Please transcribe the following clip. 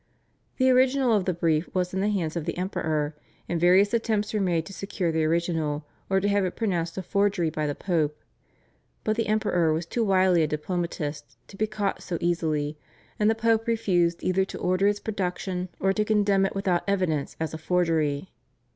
The original of the brief was in the hands of the Emperor, and various attempts were made to secure the original or to have it pronounced a forgery by the Pope; but the Emperor was too wily a diplomatist to be caught so easily, and the Pope refused either to order its production or to condemn it without evidence as a forgery.